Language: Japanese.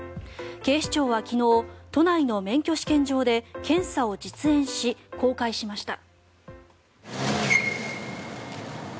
警視庁は昨日都内の免許試験場で検査を実演し、公開しました。